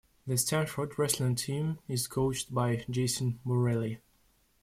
The Stanford Wrestling team is coached by Jason Borrelli.